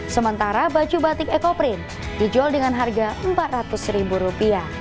sementara baju batik ekoprint dijual dengan harga rp empat ratus